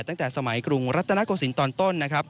ตั้งแต่สมัยกรุงรัฐนาคคล์ศรีตอนต้น